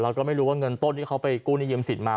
เราก็ไม่รู้ว่าเงินต้นที่เขาไปกู้หนี้ยืมสินมา